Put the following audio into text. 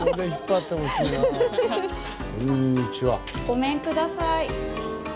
ごめんください。